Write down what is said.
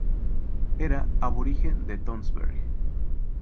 Era aborigen de Tønsberg.